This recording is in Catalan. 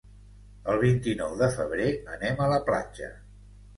El vint-i-nou de febrer anem a la platja.